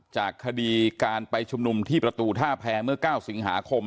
จากคดีการไปชุมนุมที่ประตูท่าแพรเมื่อ๙สิงหาคม